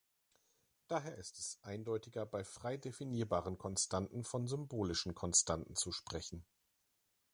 Daher ist es eindeutiger, bei frei definierbaren Konstanten von symbolischen Konstanten zu sprechen.